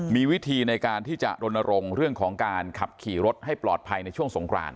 มีวิธีในการที่จะรณรงค์เรื่องของการขับขี่รถให้ปลอดภัยในช่วงสงคราน